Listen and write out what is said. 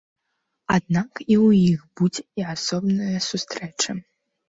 Аднак у іх будзе і асобная сустрэча.